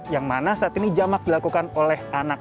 yang mana saat ini jamak dilakukan oleh anak